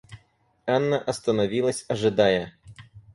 Анна остановилась, ожидая.